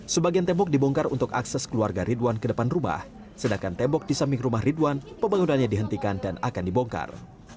sebagian tembok dibongkar untuk akses keluarga ridwan ke depan rumah sedangkan tembok di samping rumah ridwan pembangunannya dihentikan dan akan dibongkar